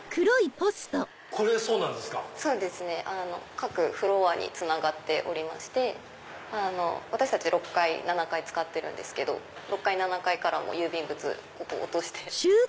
各フロアにつながっておりまして私たち６階７階使ってるんですけど６階７階から郵便物落として。